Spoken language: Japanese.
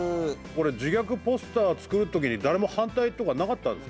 自虐ポスター作るときに誰も反対とかなかったんですか？